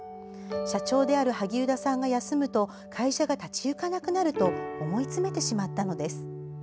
社長である萩生田さんが休むと会社が立ち行かなくなると思い詰めてしまったのです。